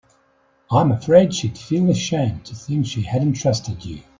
I'm afraid she'd feel ashamed to think she hadn't trusted you.